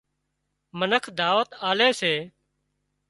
منک دعوتون آلي سي